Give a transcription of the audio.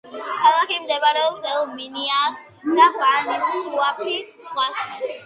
ქალაქი მდებარეობს ელ-მინიას და ბანი-სუაფი საზღვართან.